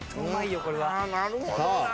ああなるほどな。